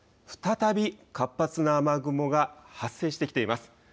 再び活発な雨雲が発生してきています。